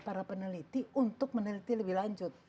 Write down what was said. para peneliti untuk meneliti lebih lanjut